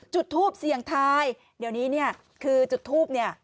จุดทูปเสี่ยงทายเดี๋ยวนี้เนี่ยคือจุดทูปเนี่ย